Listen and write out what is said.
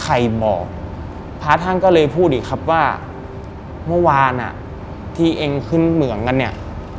ใครบอกพระท่านก็เลยพูดอีกครับว่าเมื่อวานอ่ะที่เองขึ้นเหมืองกันเนี่ย